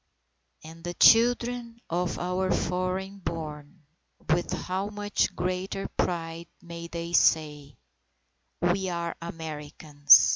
And the children of our foreign born, with how much greater pride may they say, "We are Americans!"